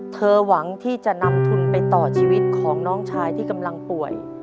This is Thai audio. หวังที่จะนำทุนไปต่อชีวิตของน้องชายที่กำลังป่วย